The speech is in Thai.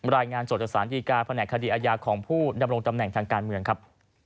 รายงานสดจากสารดีการแผนกคดีอาญาของผู้ดำรงตำแหน่งทางการเมืองครับ